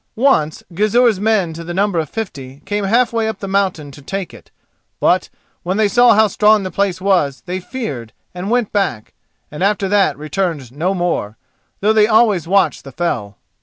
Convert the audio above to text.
Once Gizur's men to the number of fifty came half way up the mountain to take it; but, when they saw how strong the place was, they feared, and went back, and after that returned no more, though they always watched the fell.